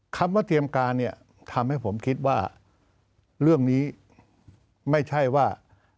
คำว่าเตรียมการเนี่ยทำให้ผมคิดว่าเรื่องนี้ไม่ใช่ว่า